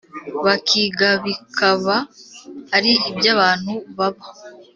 Bakigabikaba ari iby abantu baba